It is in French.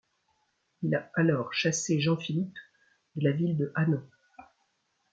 Il a alors chassé Jean Philippe de la ville de Hanau.